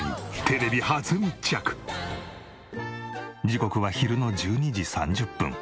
時刻は昼の１２時３０分。